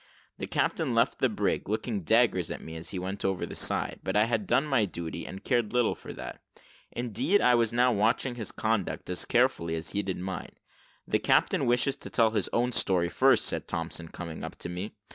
The captain left the brig, looking daggers at me as he went over the side; but I had done my duty, and cared little for that; indeed, I was now watching his conduct, as carefully as he did mine. "The captain wishes to tell his own story first," said Thompson, coming up to me.